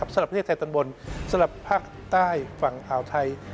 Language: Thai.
สำหรับภาคใต้ฝั่งอาวไทย